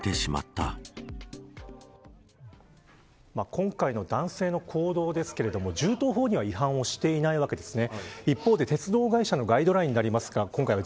今回の男性の行動ですけれども銃刀法には違反をしていないわけですね。